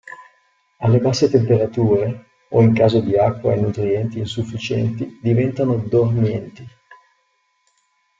Alle basse temperature, o in caso di acqua e nutrienti insufficienti, diventano dormienti.